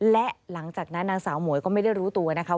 และหลังจากนั้นนางสาวหมวยก็ไม่ได้รู้ตัวนะคะ